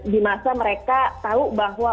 di masa mereka tahu bahwa